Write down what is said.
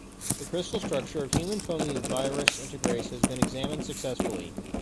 The crystal structure of human foamy virus integrase has been examined successfully.